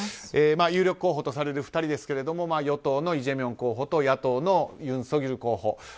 有力候補とされる２人ですが与党のイ・ジェミョン候補と野党のユン・ソギョル候補。